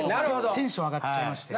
テンション上がっちゃいまして。